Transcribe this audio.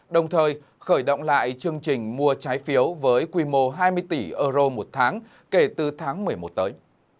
đồng thời khởi động lại chương trình mua trái phiếu với quy mô hai mươi tỷ euro một tháng kể từ tháng một mươi một tới